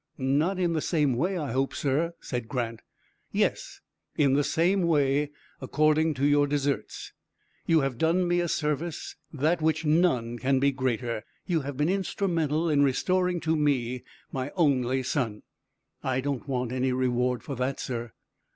"Not in the same way, I hope, sir," said Grant. "Yes, in the same way, according to your deserts. You have done me a service, that which none can be greater. You have been instrumental in restoring to me my only son." "I don't want any reward for that, sir."